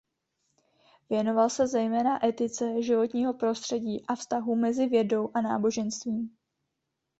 Věnoval se zejména etice životního prostředí a vztahu mezi vědou a náboženstvím.